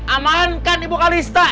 aman kan ibu kalista